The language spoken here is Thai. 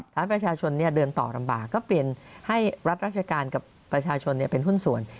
ทำให้ประชาชนเดินต่อลำบากก็เปลี่ยนให้รัฐราชการกับประชาชนเป็นหุ้นส่วน